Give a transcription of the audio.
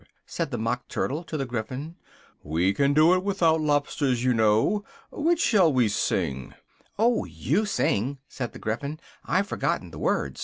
said the Mock Turtle to the Gryphon, "we can do it without lobsters, you know. Which shall sing?" "Oh! you sing!" said the Gryphon, "I've forgotten the words."